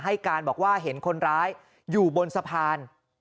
ให้การบอกว่าเห็นคนร้ายอยู่บนสะพาน